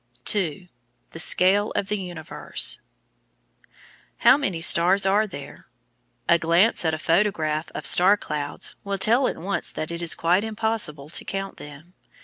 § 2 The Scale of the Universe How many stars are there? A glance at a photograph of star clouds will tell at once that it is quite impossible to count them.